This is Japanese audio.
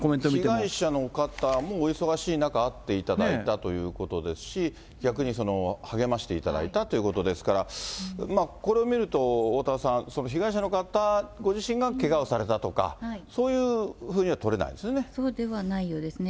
被害者の方もお忙しい中会っていただいたということですし、逆に、励ましていただいたということですから、これを見ると、おおたわさん、被害者の方ご自身がけがをされたとか、そういうふうそうではないようですね。